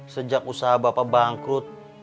sejak usaha bapak bangkrut